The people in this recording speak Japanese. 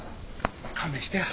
勘弁してや。